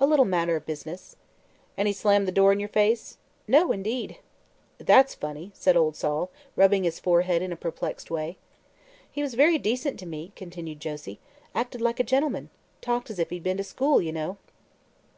"A little matter of business." "An' he slammed the door in yer face?" "No, indeed." "That's funny," said old Sol, rubbing his forehead in a perplexed way. "He was very decent to me," continued Josie. "Acted like a gentleman. Talked as if he'd been to school, you know."